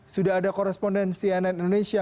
sudah ada koresponden cnn indonesia